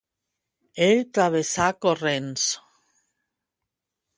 Ell travessà corrents.